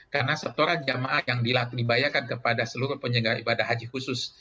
karena setoran jemaah yang dilatih libayakan kepada seluruh penyegara ibadah haji khusus